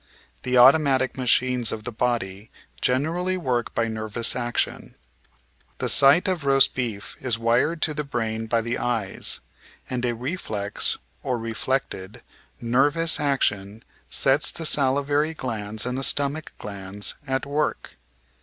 The automatic machines of the body generally work by nervous action. The sight of roast beef is "wired" to the brain by the eyes, and a reflex (or reflected) nervous action sets the salivary glands and the stomach glands at work.